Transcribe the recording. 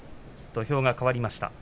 土俵がかわりました。